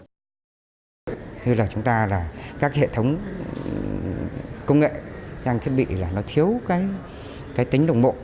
như là chúng ta là các hệ thống công nghệ trang thiết bị là nó thiếu cái tính đồng bộ